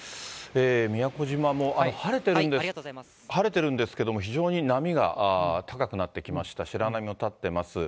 宮古島も晴れてるんですけれども、非常に波が高くなってきました、白波も立ってます。